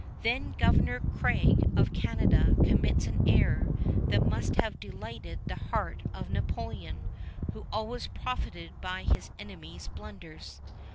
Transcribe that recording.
Then Governor Craig of Canada commits an error that must have delighted the heart of Napoleon, who always profited by his enemy's blunders.